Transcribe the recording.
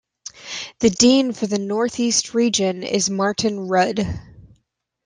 The dean for the Northeast Region is Martin Rudd.